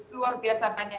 luar biasa banyak